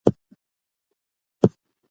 د خوراکي رژیم بدلون د خېټې کمولو کې ګټور دی.